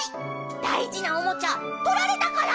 だいじなおもちゃとられたから！